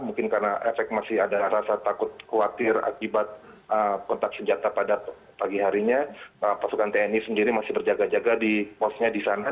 mungkin karena efek masih ada rasa takut khawatir akibat kontak senjata pada pagi harinya pasukan tni sendiri masih berjaga jaga di posnya di sana